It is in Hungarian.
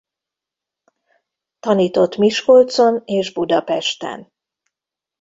Tanított Miskolcon és Budapesten.